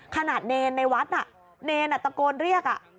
ขนาดเนรในวัดเนรตะโกนเรียก